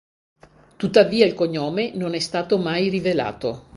Tuttavia il cognome non è stato mai rivelato.